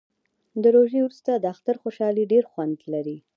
د روژې وروسته د اختر خوشحالي ډیر خوند لري